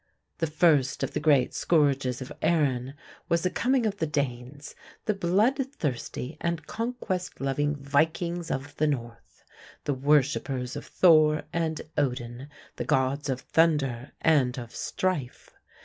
The first of the great scourges of Erin was the coming of the Danes, the bloodthirsty and conquest loving Vikings of the North, the worshipers of Thor and Odin, the gods of thunder and of strife.